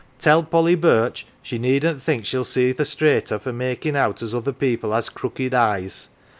Tell Polly Birch she needn't think shell see the straighter for making out as other people has crooked eyes.